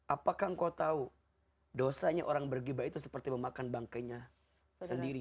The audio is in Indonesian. apakah engkau tahu dosanya orang bergibah itu seperti memakan bangkenya sendiri